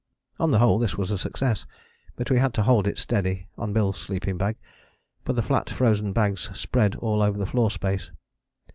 On the whole this was a success, but we had to hold it steady on Bill's sleeping bag, for the flat frozen bags spread all over the floor space.